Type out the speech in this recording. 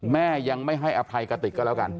แม่ยังไม่ให้อภัยกติกก็แล้วกัน